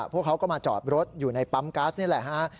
พวกเขาก็มาจอดรถอยู่ในปั๊มก๊าซนี่แหละฮะ